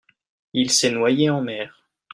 il s'est noyé en mer.